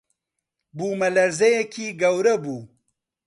بوومەلەرزەیێکی گەورە بوو